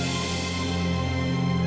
gak ada apa apa